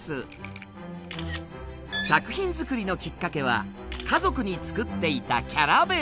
作品作りのきっかけは家族に作っていたキャラ弁。